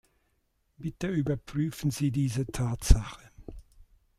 Bitte überprüfen Sie diese Tatsache.